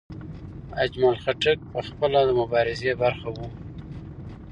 اجمل خټک پخپله د مبارزې برخه و.